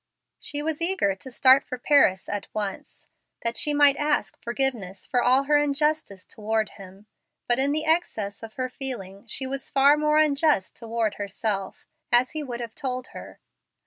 She was eager to start for Paris at once that she might ask forgiveness for all her injustice toward him. But in the excess of her feelings she was far more unjust toward herself, as he would have told her.